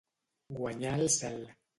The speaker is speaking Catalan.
Guanyar el cel.